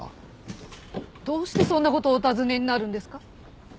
どうしてそんな事をお尋ねになるんですか？